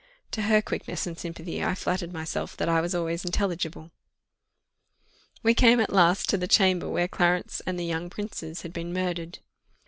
To her quickness and sympathy I flattered myself that I was always intelligible. We came at last to the chamber where Clarence and the young princes had been murdered.